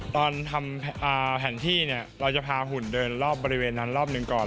ตอนทำแผนที่เนี่ยเราจะพาหุ่นเดินรอบบริเวณนั้นรอบหนึ่งก่อน